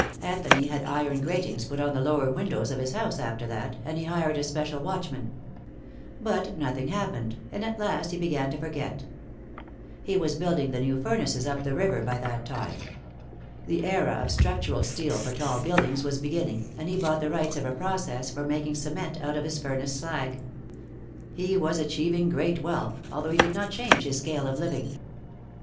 Anthony had iron gratings put on the lower windows of his house after that, and he hired a special watchman. But nothing happened, and at last he began to forget. He was building the new furnaces up the river by that time. The era of structural steel for tall buildings was beginning, and he bought the rights of a process for making cement out of his furnace slag. He was achieving great wealth, although he did not change his scale of living.